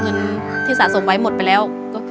เงินที่สะสมไว้หมดไปแล้ว